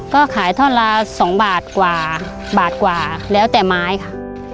ก็ขายท่อนละ๒บาทกว่าบาทกว่าแล้วแต่ไม้ค่ะ